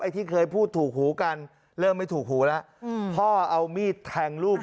ที่เคยพูดถูกหูกันเริ่มไม่ถูกหูแล้วพ่อเอามีดแทงลูก